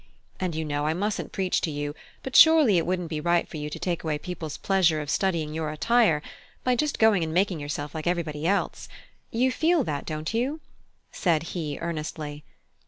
And, you know, I mustn't preach to you, but surely it wouldn't be right for you to take away people's pleasure of studying your attire, by just going and making yourself like everybody else. You feel that, don't you?" said he, earnestly.